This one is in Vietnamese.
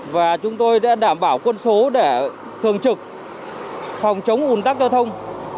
và chúng tôi đã đảm bảo quân số để thường trực phòng chống ủn tắc giao thông